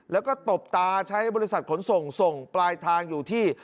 แล้วก็ตบตาใช้บริษัทขนส่งส่งปลายทางอยู่ที่